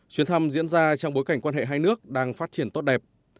chuyến thăm diễn ra trong bối cảnh quan hệ hai nước đang phát triển tốt đẹp